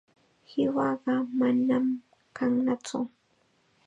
Qiwaqa manam kannatsu.